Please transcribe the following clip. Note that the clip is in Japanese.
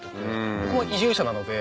僕も移住者なので。